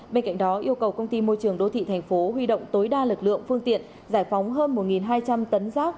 bên cạnh đó yêu cầu công ty môi trường đô thị thành phố huy động tối đa lực lượng phương tiện giải phóng hơn một hai trăm linh tấn rác